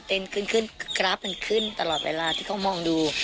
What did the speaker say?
ขึ้นขึ้นกราฟมันขึ้นตลอดเวลาที่เขามองดู